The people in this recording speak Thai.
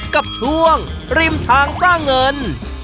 กับช่วงริมทางสร้างเงิน